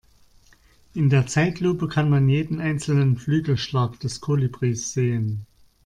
In der Zeitlupe kann man jeden einzelnen Flügelschlag des Kolibris sehen.